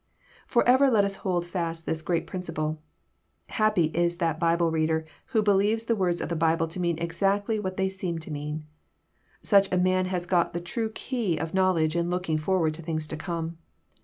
Forever let us hold fast this great prin ciple* Happy is that Bible reader who believes the words of the Bible to mean exactly what they seem to mean. Such a man has got the true key of knowledge in looking forward to things to come.